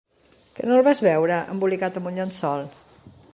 Que no el vas veure, embolicat amb un llençol?